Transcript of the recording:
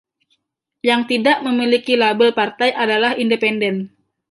Yang tidak memiliki label partai adalah independen.